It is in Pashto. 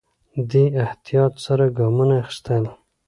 دی احتیاط سره ګامونه اخيستل.